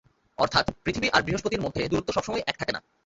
অর্থাৎ পৃথিবী আর বৃহঃস্পতির মধ্যে দূরত্ব সবসময় এক থাকে না।